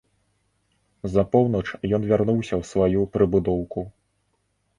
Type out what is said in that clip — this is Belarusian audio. За поўнач ён вярнуўся ў сваю прыбудоўку.